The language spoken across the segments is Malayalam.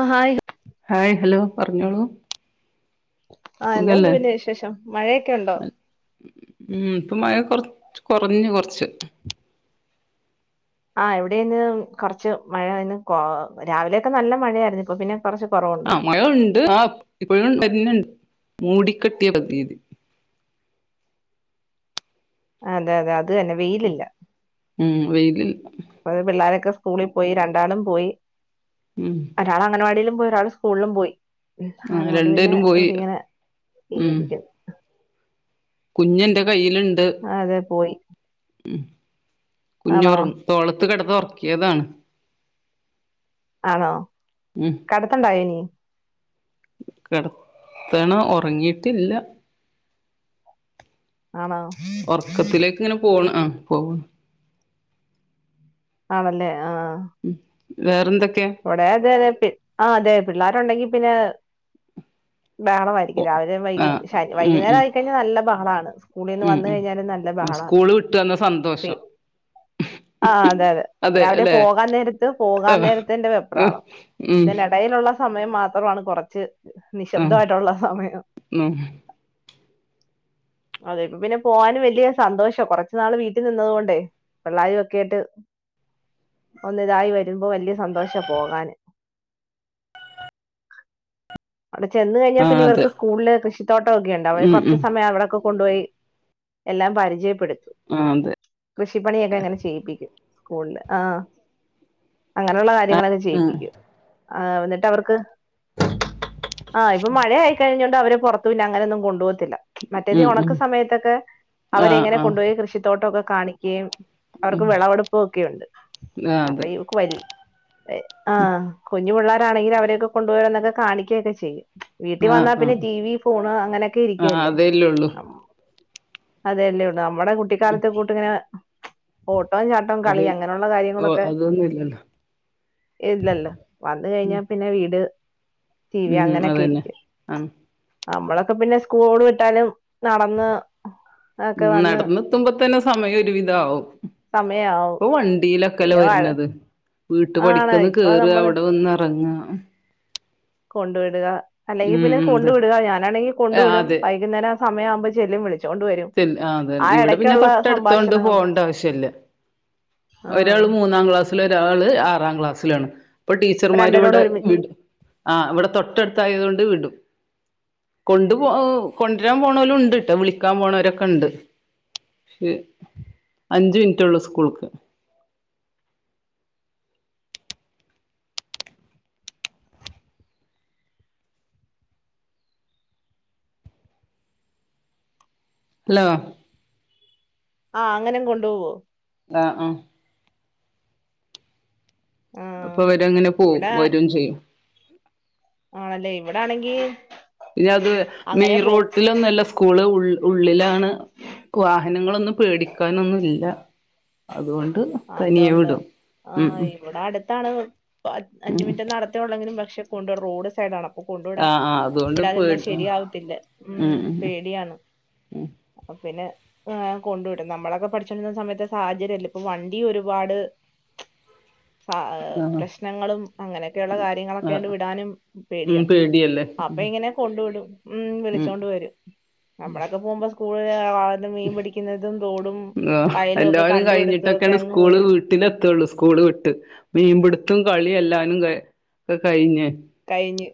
ആഹ് ഹായ് ഹായ് ഹലോ പറഞ്ഞോളൂ ആഹ് എന്തൊണ്ട് സുഖല്ലേ പിന്നെ വിശേഷം മഴയൊക്കെ ഉണ്ടോ ഉം ഇപ്പൊ മഴ കൊറച്ച് കൊറഞ്ഞ് കൊറച്ച് ആഹ് ഇവിടെന്ന് കുറച്ച് മഴ ഇന്ന് കോ രാവിലെയൊക്കെ നല്ല മഴ ആയിരുന്നു ഇപ്പൊ പിന്നെ കൊറച്ച് കൊറവുണ്ട് മഴഇണ്ട് ആ ഇപ്പോഴും തന്നെ മൂടിക്കെട്ടിയ പ്രതീതി. അതെ അതെ അത് തന്നെ വെയ്ലില്ല. ഉം വെയ്ല്‌ല്ല. വ് പിള്ളേരൊക്കെ സ്കൂളിൽ പോയി രണ്ടാളും പോയി. ഉം. ഒരാള അഗനവാടീലും പോയി ഒരാള് സ്ക്കൂള്ളും പോയി. ആ അതോണ്ട് പിന്നെ രണ്ടുപേരും പോയി ഇവിടെ ഇങ്ങനെ ഉം ഇരിക്ക്യും. കുഞ്ഞെന്റെ കയ്യില്ണ്ട്. ആ അതെ പോയി. ഉം ആണോ കുഞ്ഞൊറ തോളത്ത് കെടന്ന് ഒർക്യതാണ്. ആണോ ഉം കട്ത്തണ്ടായീനി. കെട്ത്തണം ഒർങ്ങീട്ടില്ല. ആണോ? ഒർക്കത്തിലേക്ക് ങ്ങനെ പോണ് ആ പോവ ആണല്ലേ ആ. ഉം വേറെന്തൊക്കെ? ഇവ്ടെ അതെ അതെ പി ആ അതെ പിള്ളേരുണ്ടെങ്കി പിന്നെ ബഹളമായി. പോ രാവിലിം ആ വൈകി ശ ഉം വൈക്യുന്നേരാ ഉം യികയ്ഞ്ഞാ നല്ല ബഹളാണ്. സ്‌കൂളീന്ന് ഉം വന്ന് ഉം കയ്ഞ്ഞാാലും നല്ല ബഹളാണ് സ്കൂള് വിട്ട് വന്ന പി സന്തോഷം ആ അതെ അതെ രാവിലെ പോകാൻ നേരത്ത് പോകാ ആഹ് നേര ത്തിന്റെ ആഹ് വെപ്രാളം ഉം ഇതിനിടയിലൊള്ള സമയം മാത്രമാണ് കുറച്ച് ആഹ് നിശബ്ദമായിട്ടുള്ള സമയം. ഉം അതെ ഇപ്പ പിന്നെ പോവാന് വല്യ സന്തോഷ കൊറച്ച് നാള് വീട്ടിൽ നിന്നത്കൊണ്ടേ. പിള്ളാരും ഒക്കെ ആയ്ട്ട് ഒന്നിതായി വരുമ്പോ വല്യ സന്തോ സന്തോഷ പോകാന്. അവിടെ ചെന്ന് കഴിഞ്ഞാ ആഹ് പിന്നെ അതെ ഇവർക്ക് സ്കൂൾല് കൃഷിത്തോട്ടൊക്കെ ഇണ്ട് അവടെ ഉം കൊർച്ച് ഉം സമയം അവിടെക്കും. കൊണ്ടോയി എല്ലാം പരിചയപ്പെട് ആ അതെ. കൃഷിപ്പണിയൊക്കെങ്ങനെ ചെയ്യിപ്പിക്കും സ്കൂള്ള് ആ അങ്ങനെള്ള ആഹ് [unintelligible] ഉം ചെയ്യിപ്പിക്കും എന്നിട്ടവർക്ക് ആ ഇപ്പം മഴയായ്. കയ്ഞ്ഞോണ്ട് അവരെ പൊർത്ത് അങ്ങനൊന്നും കൊണ്ടോവത്തില്ല. മറ്റേത് ഉം ഉണക്ക ഉം സമയത്തൊക്കെ ആഹ് അവരെങ്ങനെ ആഹ് കൊണ്ടോയി കൃഷിത്തോട്ടൊക്കെ കാണിക്കേയും അവർക്ക് ഉം വിളവെടുപ്പൊക്കെയുണ്ട് ആഹ് അപ്പൊ അതെ ഇവക്ക് വ ആ കുഞ്ഞു പിള്ളേരാണെങ്കിലും അവരെയൊക്കെ കൊണ്ടുപോയി അതൊക്കെ കാണിക്കേ ചെയ്യും. വീട്ടി ആഹ് വന്നാ ആഹ് പിന്നെ ടി വി, ഫോണ്, അങ്ങനെയൊക്കെ ആഹ് ഇരിക്കല്ലേ. അതേല്ലേ ഉള്ളൂ അതെല്ലേ ഒള്ളൂ നമ്മടെ കുട്ടിക്കാലത്തെ കൂട്ടിങ്ങനെ ഓട്ടം, ചാട്ടം, അത് കളി, അങ്ങനെയുള്ള ഓഹ് കാര്യങ്ങളൊക്കെ അതൊന്നും ഇല്ലല്ലോ. ഇല്ലല്ലോ വന്ന് കഴിഞ്ഞാ പിന്നെ വീട് ടി വി ഉം അങ്ങനെയൊക്കെ അതന്നെ ഇരിക്കും. ആഹ് നമ്മളൊക്കെ പിന്നെ സ്കൂള് വിട്ടാലും നടന്ന് ഒക്കെ ഉം വന്ന് നടന്നെത്തുമ്പോ തന്നെ സമയം ഒരുവിധാവും സമയാവും ഇപ്പൊ വണ്ടിയിലൊക്കെല്ലെ പിന്നെ വഴ വര്ന്നത്. വീട്ട് ആണ് പഠിക്കന്ന് ഇപ്പൊ കേറ നമ്മള് അവിടെ വന്ന് എറങ്ങാ കൊണ്ടു വിട്ക അല്ലെങ്കി ഉം പിന്നെ ഉം കൊണ്ട് അതെ വിടുക ഞാനാണെങ്കി കൊണ്ട് ആഹ് വിടും അതെ വൈകുന്നേം ആ സമയാവുമ്പോ ചെല്ലും വിളി ച്ചോണ്ട് വരും ചെല്ല് ആ ഇടയ്ക്യുള്ള സംഭാഷണങ്ങൾ. ണ്ട ആവശ്യല്ല. ഒരാള് മൂന്നാം ക്ലാസ്സില് ഒരാള് ആറാം ക്ലാസ്സിലാണ് ഇപ്പൊ രണ്ടിനോട് ടീച്ചർമാരിവിടെ ഒരുമി ആ ഇവിടെ തൊട്ടട്ത്തായതോണ്ട് വിടും. കൊണ്ടു പോ കൊട്രാൻ പോണോലും ഇണ്ട്ട്ടോ വിളിക്കാൻ പോണോരൊക്കെ ഇണ്ട്. അഞ്ച് മിൻറ്റൊള്ളൂ സ്കൂൾക്ക്. ഹലോ ആഹ് അങ്ങനെ കൊണ്ടു പോവോ ആഹ ആ ആഹ് അപ്പൊ അവരെങ്ങനെ പോവും ഇവിടെ വരും ചെയ്യും ആണല്ലേ ഇവിടെ ആണെങ്കി പിന്ന അത് മെയിൻ റോട്ടിലൊന്നുമല്ല സ്കൂള് ഉള്ളിലാണ് വാഹനങ്ങളൊന്നും പേടിക്കാനൊന്നും ഇല്ല അതൊണ്ട് ഉം ആഹ് ഉം ഇവിടെ അടുത്താണ്പഅഞ്ച് ഉം മിനിറ്റ് നടത്ത [unintelligible] പക്ഷെ കൊണ്ട് വിടണം റോഡ് സൈഡ് ആണ് കൊണ്ട് ആഹ് ആഹ് അതുകൊണ്ട് വിടാതിരുന്നാ പേടി ഉം ശരിയാവത്തില്ല ഉം പേടിയാണ് അപ്പൊ പിന്നെ കൊണ്ടു വിടും നമ്മളൊക്കെ പഠിച്ചുക കൊണ്ടിരുന്ന സമയത്ത് സാഹചര്യമല്ല ഇപ്പൊ വണ്ടി ഒരുപാട് ആഹ് പ്രശ്നങ്ങളും അങ്ങനെയൊക്കെയുള്ള കാര്യങ്ങളൊക്കെണ്ട് ആഹ് വിടാനും ഉം പേടിയാണ് പേടിയല്ലേ അപ്പൊ ഇങ്ങനെ കൊണ്ട് വിടും ഉം വിളിച്ചോണ്ട് വരും നമ്മളൊക്കെ പോകുമ്പോ [unintelligible] മീൻ പിടിക്കുന്നതും തോടും വയലും ഒക്കെ കണ്ടടുത്ത് കുട്ടികൾ സ്കൂള് വി വീട്ടില് എത്തുള്ളൂ സ്കൂള് വിട്ട് മീൻപിടുത്തും കളി എല്ലാനും കഴി ഒക്കെ കഴിഞ്ഞേ കഴിഞ്ഞു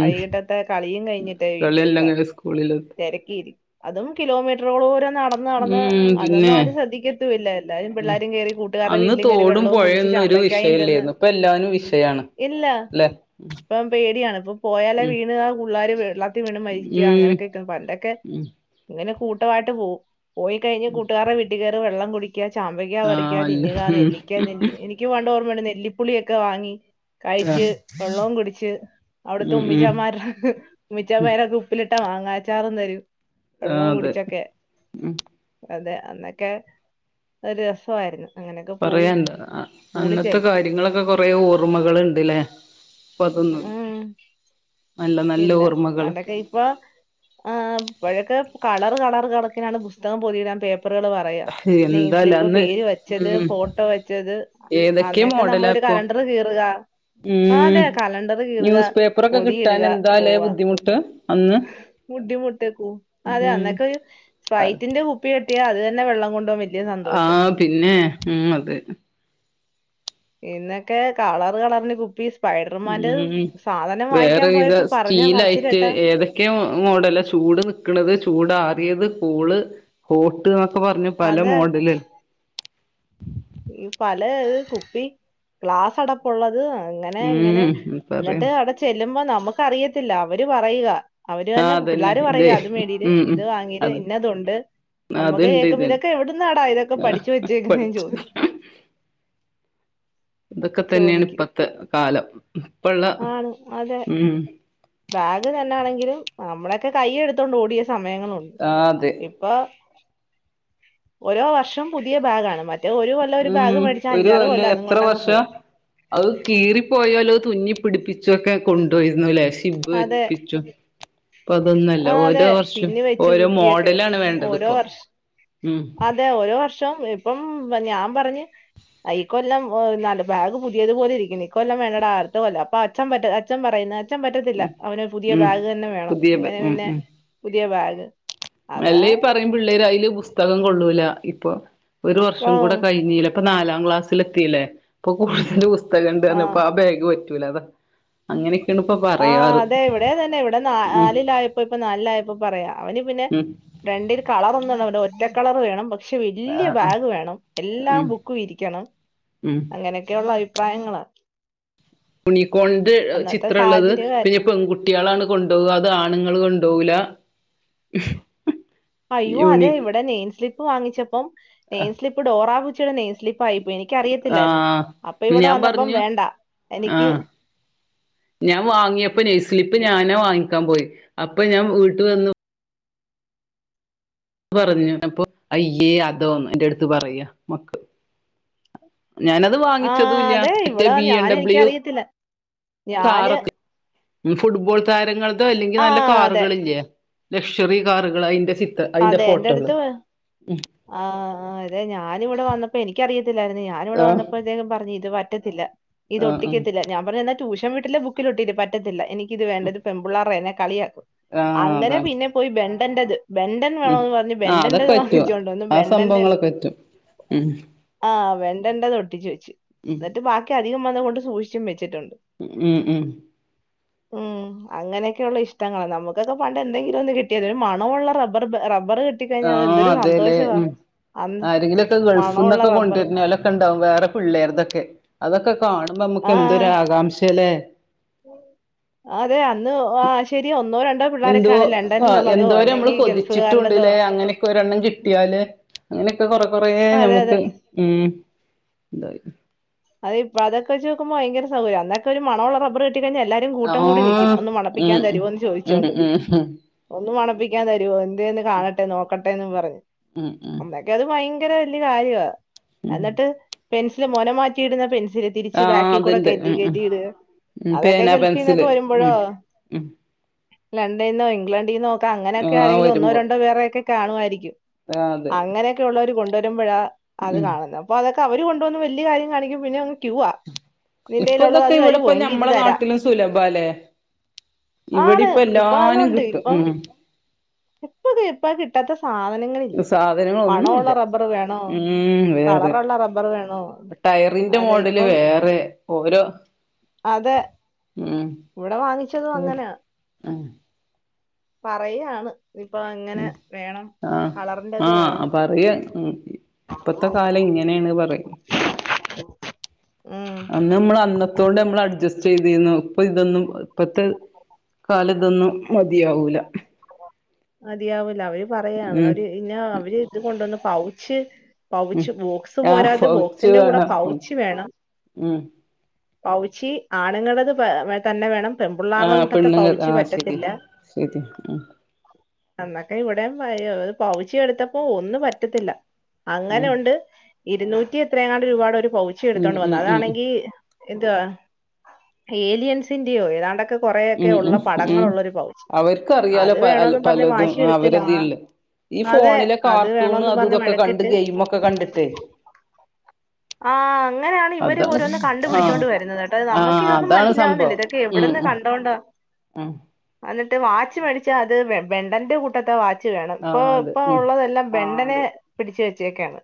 വൈകിട്ടത്തെ കളിയും കഴിഞ്ഞിട്ട് കളിയെല്ലാം വീട്ടിലെത്താറ് കഴിഞ്ഞ് സ്കൂളിലെത്തി തിരക്കിരി അതും കിലോമീറ്ററോളൂം നടന്ന് നടന്ന് ഉം അന്നൊന്നും പിന്നെ ആര് ശ്രദ്ധിക്ക [unintelligible] എല്ലാരും ഉം പിള്ളാരും കേറി കൂട്ടുകാരുടെ അന്ന് വീട്ടിലും കേറി തോടും വെള്ളവും കുടിച്ച് പുഴയൊന്നും ഒരു ചാമ്പയ്ക്കായിതിന്ന് വിഷയല്ലേരുന്നു ഇപ്പൊ എല്ലാനും വിഷയാണ് ഇല്ല [inaudible] ഇപ്പം പേടിയാണ് ഇപ്പ പോയാലെ ഉം വീണ് ആഹ് പിള്ളേർ [unintelligible] വീണ് മരിക്കുക ഉം അങ്ങനൊക്ക ഒക്ക പണ്ടോക്കെ ഉം ഇങ്ങനെ കൂട്ടമായിട്ട് പോകും പോയി കഴിഞ്ഞാ കൂട്ടുകാരെ വീട്ടിൽ കയറി വെള്ളം കുടിക്ക ചാമ്പക്കാ പറിക്ക ആഹ് അല്ല തിന്നുക ഉം നെല്ലിക്കാ തിന്നാ എനിക്ക് പണ്ട് ഓർമ്മണ്ട് നെല്ലിപ്പുളിയൊക്കെ വാങ്ങി കഴിച്ച് ആഹ് വെള്ളവും കുടിച്ച് അവിടത്ത ഉം ഉം ഉമ്മിചാമാരുടെ ഉമ്മിച്ചാമാരൊക്കെ ഉപ്പിലിട്ടാ മാങ്ങാച്ചാറും തരും വെള്ളം ആഹ് അതെ കുടിച്ചൊക്കെ ഉം അതെ അന്നൊക്കെ ഒരു രസമായിരുന്നു അങ്ങനെയൊക്കെ പോയി പറയാണ്ടോ സ്കൂളിൽ അന്നത്തെ ചെല്ല് കാര്യങ്ങളൊക്കെ കൊറെ ഓർമ്മകൾ ഉണ്ട്ല്ലേ ഇപ്പൊ അതൊന്നുമില്ല ഉം നല്ല നല്ല ഓർമ്മകളൊക്കെ ഇപ്പോ ആഹ് ഇപ്പഴൊക്കെ കളർ കളർ കണക്കിനാണ് പുസ്തകം പോതിഇടാൻ പേപ്പറുകൾ [unintelligible] എന്താല്ലേ നഴ്സ്ലിപ് അന്ന് പേര് വെച്ചത് ഉം ഫോട്ടോ വെച്ചത് ഏതൊക്കെ അന്നോക്കെ മോഡലാ നമ്മളൊരു ഇപ്പൊ കലണ്ടർ കീറുക ആ അതെ ഉം കലണ്ടർ കീറുക ന്യൂസ് പേപ്പറൊക്കെ പൊതി കിട്ടാൻ ഇടുക എന്താല്ലേ പോവ ബുദ്ധിമുട്ട് അന്ന് ബുദ്ധിമുട്ട് അതെ ഉം അന്നൊക്കെ ഒരു കാല ഫ്പൈറ്റിന്റെ കുപ്പി കിട്ടിയാൽ അത് തന്നെ വെള്ളം കൊണ്ട് പോകാ ആഹ് പിന്നെ ഉം അതെ ഇന്നൊക്കെ കളർ കളറിന് കുപ്പീസ് ഉം [unintelligible] വേറെ വിതം പോയപ്പോ പറഞ്ഞ പറച്ചില് സ്റ്റീലായിട്ട് കേട്ടാ ഏതൊക്കെ മോഡല ചൂട് നിക്ക- [unintelligible] ചൂടാറിയത് കൂള് ഹോട്ട് എന്നൊക്കെ പറഞ്ഞു പല അതെ മോഡല ഈ പല കുപ്പി ഗ്ലാസ് അടപ്പ ഉള്ളത് അങ്ങനെ ഇങ്ങനെ ഉം പറയാ എന്നിട്ട് അവിടെ ചെല്ലുമ്പോ നമുക്ക് അറിയത്തില്ല അവര് പറയുക അവര് ആ തന്നെ അതന്നെ പിള്ളാര് ഇതേ പറയ അത് മേടിട്ട് ഉം ഉം ഇത് വാങ്ങീത് അത് ഇന്നതുണ്ട് നമ്മുക്ക് അതുണ്ട് കേൾക്കോ ഇത് ഇതൊക്കെ എവിടുന്ന് ആടാ ഇതൊക്കെ ആ പഠിച്ച് വെച്ചേക്കുന്നേ പഠിച്ച ചോദിക്കും ഇതൊക്കെ തന്നെയാണ് ചോദിക്കും ഇപ്പത്തെ കാലം ഇപ്പള്ള ആണ് അതെ ഉം ബാഗ് തന്നെ ആണെങ്കിലും നമ്മളൊക്കെ കയ്യ എടുത്തോണ്ട് ഓടിയ സമയങ്ങളുണ്ട് ആഹ് അതെ ഇപ്പൊ ഓരോ വർഷം പുതിയ ബാഗ് ആണ് മറ്റ റ്റെ ഒരു കൊല്ലം ഒരു ഉം ബാഗ് മേടിച്ചാ അഞ്ചാറ് കൊല്ലം അത് കൊണ്ട് അങ് പോവും. അഹ് കീറിപ്പോയാലോ തുന്നി പിടിപ്പിച്ചുവക്കെ കൊണ്ടോയിരുന്നുലേ? ഇബ് അതെ വെപ്പിച്ചും പ്പ അതൊന്നല്ല ആ അതെ ഓരോ വർഷം പിന്നി വെച്ച് ഓരോ കുത്തിയൊക്കെ മോഡലാണ് വേണ്ടത് ഓരോ വർഷം പ്പൊ. അതെ ഓരോ വർഷം ഇപ്പം ഞാൻ പറഞ്ഞ് അയ് ഇക്കൊല്ലം വ് ന്നാല് ബാഗ് പുത്യേത് പോലെ ഇരിക്ക്ണ്. ഇക്കൊല്ലം വേണ്ടടാ അട്ത്ത കൊല്ലം അപ്പ അച്ചം പറ്റേ അച്ഛൻ പറയിന്ന് പറ്റത്തില്ല അവന് പുതിയ ഉം ബാഗ് തന്നെ വേണം. പുതിയ ബ അങ്ങനെ പിന്നെ പുതിയ ബാഗ്. അതാ അല്ല ഈ പറയും പിള്ളേര് അയില് പുസ്തകം കൊള്ളൂല ഇപ്പൊ ഒരു ആ വർഷം കൂടെ കൈഞ്ഞിലേ. പ്പ നാലാം ക്ലാസ്സിലത്തീലെ ഇപ്പൊ [unintelligible] പുസ്തകണ്ട് പർഞ്ഞ് പ്പോ ആ ബേഗ് പറ്റൂല അതാ. അങ്ങനെക്കേണ് പ്പ ആഹ് അതെ ഇവടെ അതന്നെ ഇവടെ നാ നാലിലാ ഇപ്പ നലിലായപ്പോ പറയാ അവന് പിന്നെ ഉം ഫ്രണ്ടിൽ കളറൊന്നും [unintelligible] ഒറ്റ കളറ് വേണം. പക്ഷെ വല്ല്യേ ആഹ് ആഹ് ബാഗ് വേണം. എല്ലാ ഉം ബുക്കും ഇരിക്കണം. ഉം അങ്ങനെക്കെയുള്ള അഭിപ്രായങ്ങള. യുണീക്കോൺന്റെ അന്നത്തെ ചിത്രള്ളത് സാഹചര്യമല്ല പിന്നെ പെൺകു ട്ട്യാളാണ് കൊണ്ടോവ അത് ആണ്ങ്ങള് കൊണ്ടോവൂല. അയ്യോ അതെ യൂണി ഇവടെ നെയിം സ്ലിപ്പ് വാങ്ങിച്ചപ്പം ആ നെയിം സ്ലിപ്പ് ഡോറ ബുജിടെ നെയിം സ്ലിപ്പായിപ്പോയി എ നിക്കറിയത്തില്ലായിരുന്നു ആഹ് അപ്പ ഇവടെ ഞാൻ വന്നപ്പം പറഞ്ഞു വേണ്ട എനിക്ക് ആഹ് ഞാൻ വാങ്ങ്യപ്പോ നെയ്സ്ലിപ്പ് ഇ- ഞാനാ വാങ്ങിക്കാൻ പോയി അപ്പൊ ഞാം വീട്ട് വന്ന് പറഞ്ഞു അപ്പൊ അയ്യേ അതോന്ന് എന്റെ ട്ത്ത് പറയാ മക്ക ഞാനത് ആ വാങ്ങിച്ചതൂ ല്ല്യ അതെ മറ്റേ ഇവിടെ ബി എൻ ഞാൻ ഡബ്ല്യു. എനിക്കറിയത്തില്ല ഞാന് കാറൊക്കെ ഉം ഫുട്ബോൾ താരങ്ങൾതോ എല്ലെങ്കി ആ നല്ല അതെ കാറ്കളില്ലെ ലക്ഷറീ കാറ്കള് അയിന്റെ ചിത്ത അയിന്റെ ഫോട്ടോള് ഉം ആഹ് ആഹ് അതെ ഞാന് വടെ വന്നപ്പേ എനിക്കറിയത്തില്ലായിര്ന്നു ഞാന് വടെ ആഹ് വന്നപ്പേ അദ്ദേഹം പർഞ്ഞ് ഇത് പറ്റത്തില്ല. ഇത് ആഹ് ആഹ് ഒട്ടിക്കത്തില്ല. ഞാൻ പർഞ്ഞ് എന്നാ ട്യൂഷൻ വീട്ടിലെ ബുക്കിലൊട്ടിക്ക് പറ്റത്തില്ല എനി ഇത് വേണ്ട ത് പെമ്പ്ള്ളാറേ ന്നെ കളിയാക്കും ആഹ് അങ്ങനെ അതാണ് പിന്നെ പോയി ബെൻണ്ടന്റെത്. ബെണ്ടൻ ഉം വേണോന്ന് പർഞ്ഞ് ആഹ് അതൊക്കെ ബെണ്ടന്റത് പറ്റും വാങ്ങിച്ചോണ്ട് വന്ന് ആ ബെണ്ടൻ്റെൽ സംഭവങ്ങളൊക്കെ പറ്റും ഉം ആഹ് വെണ്ടന്റത് ഒട്ടിച്ചു വെച്ച് ഉം ന്നിട്ട് ബാക്കി അധികം വന്ന കൊണ്ട് സൂക്ഷിച്ചും വെച്ചിട്ടുണ്ട്. ഉം ഉം ഉം അങ്ങനെക്കെ ഒള്ള ഇഷ്ട്ടങ്ങളാ നമുക്കൊക്കെ പണ്ട് എന്തെങ്കിലും ഒന്ന് കിട്ട്യാത് ഒര് മണമൊള്ള റബ്ബർ പ്പ റബ്ബർ കിട്ടി കൈഞ്ഞാ അതന്തൊരു സ ലേ ഉം ആരെങ്കിലൊക്കെ മണമുള്ള ഗൾഫ്ന്നൊക്കെ റബ്ബർ കൊണ്ടെര്നൊല ക്കെ ണ്ടാവും വേറെ പിള്ളേർതൊക്കെ അതൊക്കെ കാണുമ്പോ ആഹ് നമ്മക്കെന്തൊരാകാംക്ഷേ ലേ? അതെ അന്ന് ആഹ് ശെര്യ ഒന്നോ, രണ്ടോ എന്തോ പിള്ളേരൊക്കെയാണ് ആഹ് ലണ്ടനിലുള്ളതോ എന്തോരം മ്മള് അല്ലെങ്കിൽ ഗൾഫുകാരുടേതോ കൊതിച്ചിട്ടുണ്ട്ല്ലേ അങ്ങനെക്കെ ഒരണ്ണം കിട്ട്യാല്. അങ്ങനെക്കെ കൊറെ കൊറെ അതെ അതെ ഞമ്മക്ക് ഉം തായി അത് ഇപ്പ അതെ വെച്ച് ക്കുമ്പോ ഭയങ്കര സൗകര്യാ അന്നക്കെ ഒര് മണോള്ള റബ്ബർ കിട്ടി കഴിഞ്ഞാ എല്ലാ കൂട്ടം കൂടി നിക്കും ആഹ് ഒന്ന് മണപ്പിക്കാൻ ഉം തരോന്ന് ഉം ഉം ചോയിച്ചോണ്ട്. ഉം ഉം ഒന്ന് മണപ്പിക്കാൻ തരോ എന്തേന്ന് കാണട്ടെ നോക്കട്ടെന്ന് പറഞ്ഞ്. [unintelligible] അന്നൊക്കെ അത് ഭയങ്കര വല്ല്യേ കാര്യ ഉം എന്നട്ട് പെൻസില് മോനമാറ്റിയിട്ന്ന പെൻസില് തിരിച്ച് ആഹ് ബാക്കി കൂടെ അതുണ്ട് കേറ്റി ഉം ഉം കേറ്റി ഇട്ക. ഉം അതക്കെ പേന ഗൾഫീന്നൊക്കെ പെൻസില് ഉം വരുമ്പഴോ ഉം ലണ്ടൻ ന്നോ ഇംഗ്ലണ്ടീ ന്നോ ഒക്ക അങ്ങനക്കെ ആഹ് ആരെങ്കിലും ഒന്നോ വരുമ്പോ രണ്ടോ പേരെക്കെ കാണുമായിരിക്കും. ആഹ് അതെ യുള്ളവര് കൊണ്ടരുമ്പഴാ അത് ഉം കാണുന്ന അപ്പോ അതൊക്കെ അവര് കൊണ്ടുവന്ന് വല്ല്യേ കാര്യം കാണി പിന്നങ്ങ് ക്യുവാ ഇപ്പൊ നിന്റെലുള്ളത് ഇതൊക്കെ അത് തരോ ഇവിടെപ്പ എങ്കീ ഇത് ഞമ്മളെ തരാ. നാട്ടിലും സുലഭാല്ലേ ഇവിടെ ആണ് ഇപ്പ എല്ലാനും അതൊണ്ട് കിട്ടും ഇപ്പം ഉം ഇപ്പൊക്കെ ഇപ്പ കിട്ടാത്ത സാധനങ്ങളില്ല സാധനങ്ങളൊന്നുല്ല മണോള്ള റബ്ബറ് വേണോ കളറ്ള്ള റബ്ബറ് വേണോ. ടയ്റിന്റെ അതെ മോഡല് ഇപ്പം വേറെ ഓരോ അതെ ഇവടെ വാങ്ങിച്ചതും അങ്ങനാ ആഹ് പറയാണ് ഇപ അങ്ങനെ വേണം ആഹ് കളറിന്റത് വേണം പ്പത്തെ കാലെ ഇങ്ങെനേണ് പറി ഉം മ്മള് അന്നത്തോണ്ട് അമ്മൾ അഡ്ജച്ചെയ്തീന്നു ഇപ്പൊ ഇതൊന്നും ഇപ്പത്തെ കാലതൊന്നും മതിയാവൂല അതിയാവൂല അവര് പറയാ ഉം അവര് ഇന്നാ അവര് ഇത് കൊണ്ട്വന്ന് പൗച്ച് ഉം പൗച്ച് ബോക്സ് ആഹ് പോരാതെ പൗച്ച് ബോക്സിന്റെ കൂടെ വേണം പൗച്ച് വേണം ഉം പൗച്ച് ആണുങ്ങടത് പ തന്നെ വേണം പെമ്പുള്ളാറെ ആഹ് കൂട്ടത്തെ പെണ്ണുങ്ങൾ പൗച്ച് ആഹ് ശരി പറ്റത്തില്ല ശരി ഉം അന്നൊക്കെ ഇവടെം ആയി പൗച്ച് എടുത്തപ്പോ ഒന്നും പറ്റത്തില്ല ഉം അങ്ങെനൊണ്ട് ഇരുന്നൂറ്റി എത്രേങ്ങാണ്ട് രൂപാടെ ഒരു പൗച്ച് ഉം എടുത്തോണ്ട് ഉം വന്ന ഉം ഉം അതാണെങ്കി ഇന്തുവ ഏലിയൻസിന്റെയോ ഏതാണ്ട കൊറേക്കെ ഉം ഒള്ള ഉം ഉം പടങ്ങളൊള്ളൊരു പൗച്ച് അവർക്കറിയാലോ അത് പ വേണോന്ന് പർഞ്ഞ് പലതും വാശി എടുത്ത് ലാ അവരതില് ഈ അതെ ഫോണിലെ അത് കാർട്ടൂണ് വേണോന്ന് അത് പറഞ്ഞ് ഇതൊക്കെ കണ്ട് വഴക്കിട്ട് ഗെയിമൊക്കെ കണ്ടിട്ടേ ആഹ് അങ്ങനാണ് ഇവര് അതാണ് ഓരോന്ന് ആഹ് കണ്ടുപിടിച്ചോണ്ട് വരുന്നതേട്ടോ ആഹ് നമുക്ക് ഇതൊന്നും അതാണ് മനസ്സിലാവുന്നില്ല സംഭവം ഇതെ ക്കെ ഉം എവിടന്ന് ഉം കണ്ടോണ്ട ഉം എന്നിട്ട് വാച്ച് മേടിച്ചാ അത് വെ വെണ്ടന്റെ കൂട്ടത്തെ വാച്ച് വേണം പ്പൊ ആഹ് അതെ പ്പൊ ഉം ഒള്ളതെല്ലാം ബെണ്ടന് പിടിച്ച് വെച്ചേക്കാണ്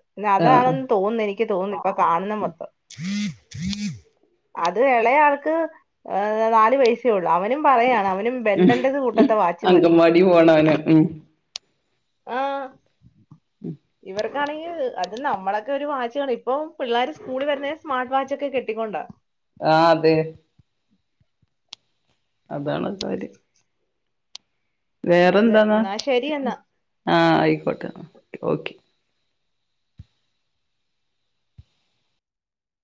ആഹ് ഇഞ്ഞതാണന്ന് തോന്ന് എനിക്ക് തോന്ന് പ്പൊ കാൺന്ന മൊത്തം അത് എളെയാൾക്ക് ഏഹ് നാല് വെയ്സേ ഒള്ള് അവനും പറയാണ് അവനും ഉം ബെണ്ടൻ ടത് കൂട്ടത്തെ വാച്ച് മതി അങ്കൻവാടി പോണവന് ഉം ആഹ് ഇവർ ആണെങ്കി അത് നമ്മളൊക്കെ ഒരു വാച്ച് കാണ ഇപ്പൊ പിള്ളാറ് സ്കൂളി വെര്ന്നേ സ്മാർട്ട് വാച്ച്ക്കെ കെട്ടിക്കൊണ്ടാ ആഹ് അതെ അതാണ് കാര്യം അതെ വേറെന്താന്നാ എന്നാ ശരി എന്നാ ആഹ് ആയ്ക്കോട്ടെ ഓക്കെ